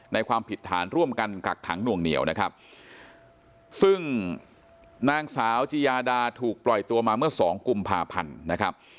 ความผิดฐานร่วมกันกักขังหน่วงเหนียวนะครับซึ่งนางสาวจิยาดาถูกปล่อยตัวมาเมื่อสองกุมภาพันธ์นะครับ